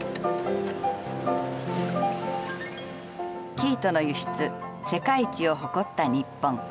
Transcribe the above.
生糸の輸出世界一を誇った日本。